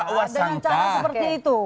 dengan cara seperti itu